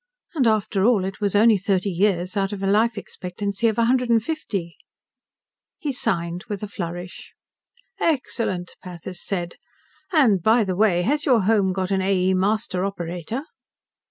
And after all, it was only thirty years out of a life expectancy of a hundred and fifty. He signed with a flourish. "Excellent!" Pathis said. "And by the way, has your home got an A. E. Master operator?"